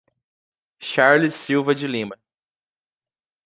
Charles Silva de Lima